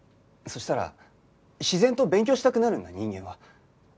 そしたら自然と勉強したくなるんだ人間は。